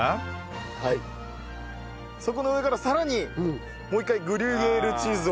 そこの上からさらにもう一回グリュイエールチーズを。